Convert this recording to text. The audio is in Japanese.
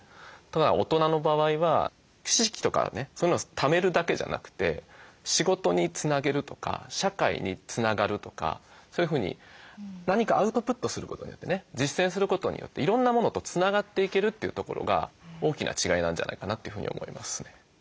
ただ大人の場合は知識とかねそういうのをためるだけじゃなくて仕事につなげるとか社会につながるとかそういうふうに何かアウトプットすることによってね実践することによっていろんなものとつながっていけるというところが大きな違いなんじゃないかなというふうに思いますね。